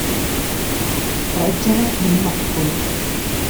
Reggere il moccolo.